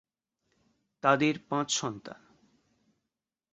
তাদের পাঁচ সন্তান।